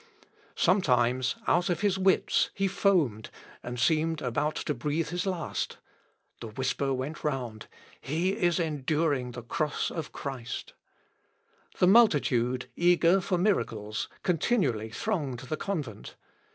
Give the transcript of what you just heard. Sometimes, out of his wits, he foamed, and seemed about to breathe his last. The whisper went round, "He is enduring the cross of Christ." The multitude, eager for miracles, continually thronged the convent.